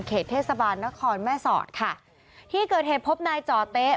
เทศบาลนครแม่สอดค่ะที่เกิดเหตุพบนายจ่อเต๊ะ